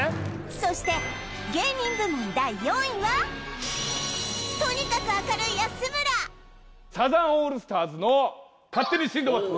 そして芸人部門第４位はサザンオールスターズの「勝手にシンドバッド」